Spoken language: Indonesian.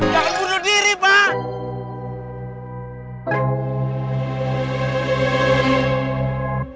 jangan bunuh diri pak